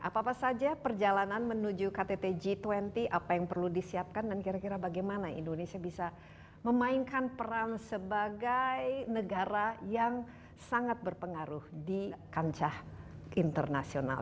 apa apa saja perjalanan menuju ktt g dua puluh apa yang perlu disiapkan dan kira kira bagaimana indonesia bisa memainkan peran sebagai negara yang sangat berpengaruh di kancah internasional